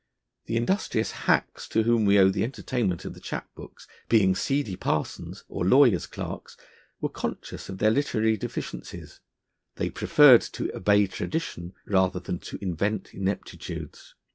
The industrious hacks, to whom we owe the entertainment of the chap books, being seedy parsons or lawyers' clerks, were conscious of their literary deficiencies: they preferred to obey tradition rather than to invent ineptitudes.